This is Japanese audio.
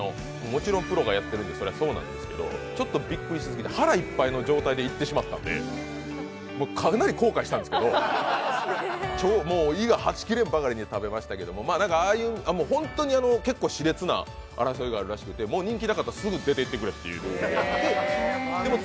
もちろんプロがやってるのでそりゃそうなんですけどちょっとビックリし過ぎて腹いっぱいの状態で行ってしまったんでかなり後悔したんですけど、もう胃がはち切れんばかりに食べましたけど本当に結構しれつな争いがあるらしくて、人気なかったらすぐ出ていってくれというところで。